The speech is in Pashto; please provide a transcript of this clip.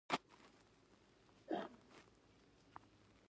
د دین پیروانو د کرکې او تربګنیو سبب ګرځېدلي دي.